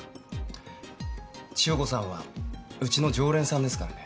千代子さんはうちの常連さんですからね。